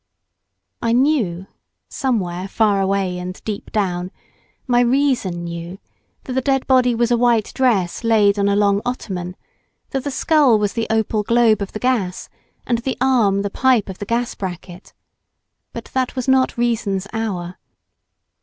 I knew, somewhere far away and deep down, my reason knew that the dead body was a white dress laid on a long ottoman, that the skull was the opal globe of the gas and the arm the pipe of the gas bracket, but that was not reason's hour.